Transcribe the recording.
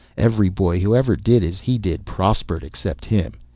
Every boy who ever did as he did prospered except him.